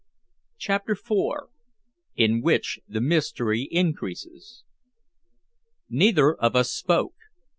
CHAPTER IV IN WHICH THE MYSTERY INCREASES Neither of us spoke.